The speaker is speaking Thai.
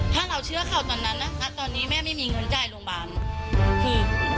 ถ้าเราเชื่อเขาตอนนั้นนะณตอนนี้แม่ไม่มีเงินจ่ายโรงพยาบาลคือ